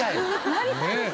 なりたいです！